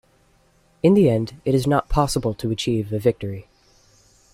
In the end, it is not possible to achieve a victory.